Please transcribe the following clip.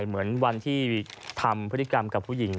เหมือนวันที่ทำพฤติกรรมกับผู้หญิง